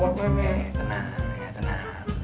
eh tenang ya tenang